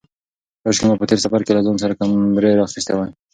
کاشکې ما په تېر سفر کې له ځان سره کمرې راخیستې وای.